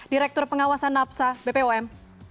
direktur pengawasan napsa bpom